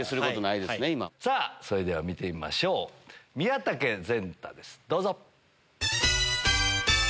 それでは見てみましょう宮武ぜんたですどうぞ。